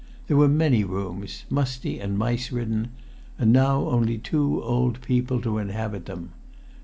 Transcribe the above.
There were many rooms, musty and mice ridden, and now only two old people to inhabit them.